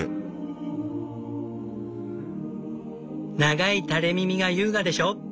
「長い垂れ耳が優雅でしょ」。